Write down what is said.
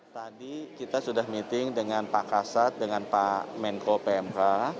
tadi kita sudah meeting dengan pak kasat dengan pak menko pmk